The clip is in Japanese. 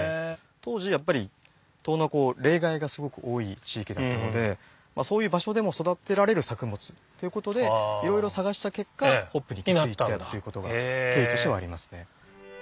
当時やっぱり遠野は冷害がすごく多い地域だったのでそういう場所でも育てられる作物っていうことでいろいろ探した結果ホップに行き着いたっていうことが経緯としてはありますね。